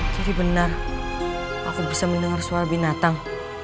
jadi benar aku bisa mendengar suara binatang